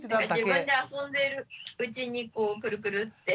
自分で遊んでるうちにクルクルッて。